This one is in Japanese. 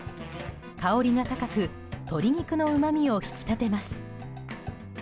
香りが高く鶏肉のうまみを引き立てます。